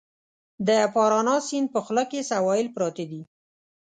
د پارانا سیند په خوله کې سواحل پراته دي.